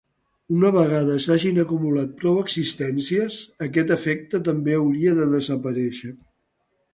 Una vegada s’hagin acumulat prou existències, aquest efecte també hauria de desaparèixer.